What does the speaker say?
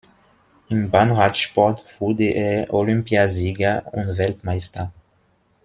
Im Bahnradsport wurde er Olympiasieger und Weltmeister.